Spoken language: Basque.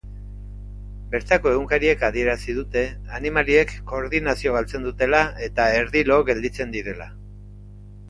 Bertoko egunkariek adierazi dute animaliek koordinazioa galtzen dutela eta erdi lo gelditzen direla.